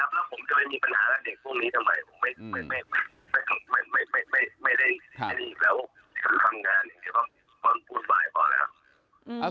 ไม่ได้สิทธิแล้วทำงานเดี๋ยวต้องพูดใหม่ก่อนนะครับ